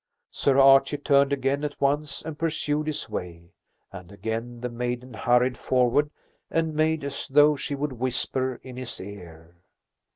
Sir Archie turned again at once and pursued his way, and again the maiden hurried forward and made as though she would whisper in his ear.